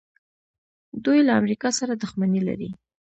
دوی له امریکا سره دښمني لري.